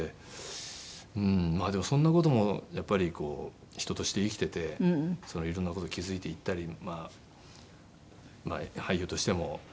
でもそんな事もやっぱり人として生きてて色んな事を気付いていったり俳優としても。